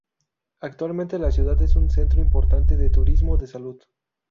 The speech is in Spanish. Actualmente la ciudad es un centro importante de turismo de salud.